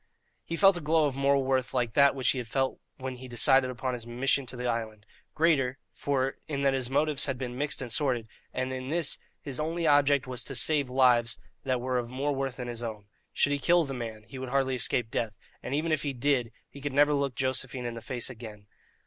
He felt a glow of moral worth like that which he had felt when he decided upon his mission to the island greater, for in that his motives had been mixed and sordid, and in this his only object was to save lives that were of more worth than his own. Should he kill the man, he would hardly escape death, and even if he did, he could never look Josephine in the face again.